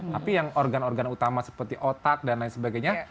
tapi yang organ organ utama seperti otak dan lain sebagainya